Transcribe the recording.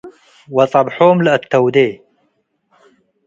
ወጸብሖም ለአተውዴ ።